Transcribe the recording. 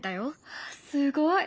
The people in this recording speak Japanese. すごい！